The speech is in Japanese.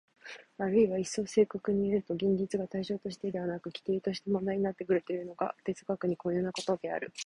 あるいは一層正確にいうと、現実が対象としてでなく基底として問題になってくるというのが哲学に固有なことである。